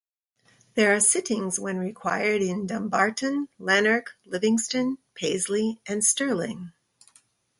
There are sittings when required in Dumbarton, Lanark, Livingston, Paisley and Stirling.